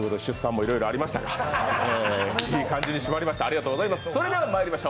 いい感じに締まりました。